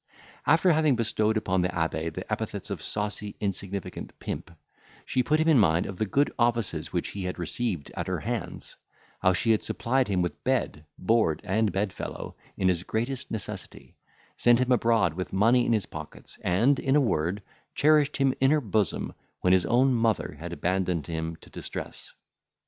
After having bestowed upon the abbe the epithets of saucy insignificant pimp, she put him in mind of the good offices which he had received at her hands; how she had supplied him with bed, board, and bedfellow, in his greatest necessity; sent him abroad with money in his pockets—and, in a word, cherished him in her bosom, when his own mother had abandoned him to distress.